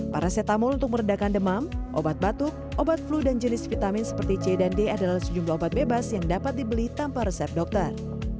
paracetamol untuk meredakan demam obat batuk obat flu dan jenis vitamin seperti c dan d adalah sejumlah obat bebas yang dapat dibeli tanpa resep dokter